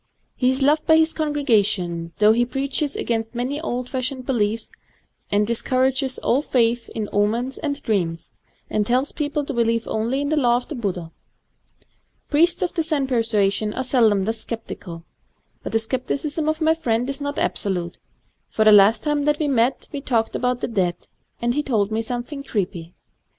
He is loved by his congregation, though he preaches against many old fashioned beliefs, and discour ages all ^th in omens and dreams, and tells peo ple to believe only in the Law of the Buddha. Priests of the Zen persuasion are seldom thus sceptical. But the scepticism of my friend is not absolute; for the last time that we met we talked of the dead, and he told me something creepy.